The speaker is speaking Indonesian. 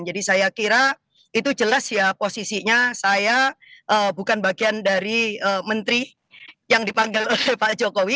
jadi saya kira itu jelas ya posisinya saya bukan bagian dari menteri yang dipanggil oleh pak jokowi